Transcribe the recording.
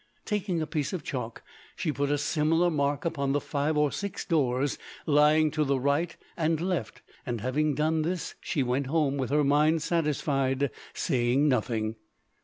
Taking a piece of chalk she put a similar mark upon the five or six doors lying to right and left; and having done this she went home with her mind satisfied, saying nothing.